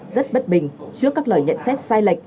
rất bất bình trước các lời nhận xét